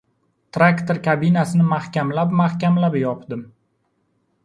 Traktor kabinasini mahkamlab-mahkamlab yopdim.